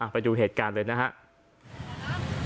ไปดูเหตุการณ์เลยนะครับ